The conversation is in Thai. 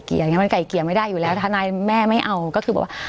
เกียร์มันไก่เกียร์ไม่ได้อยู่แล้วถ้านายแม่ไม่เอาก็คือบอกว่า